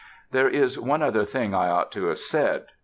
There is one other thing I ought to have said.